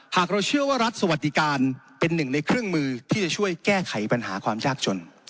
หากเราเชื่อว่ารัฐสวัสดิการเป็นหนึ่งในเครื่องมือที่จะช่วยแก้ไขปัญหาความยากจน